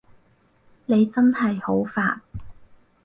你真係好煩